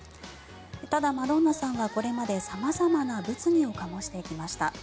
ただ、マドンナさんはこれまで様々な物議を醸してきました。